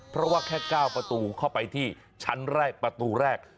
เพราะว่าแค่๙ประตูเข้าไปที่ชั้นแรกประตูแรก